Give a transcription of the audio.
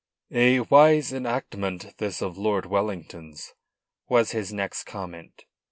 "A wise enactment this of Lord Wellington's," was his next comment.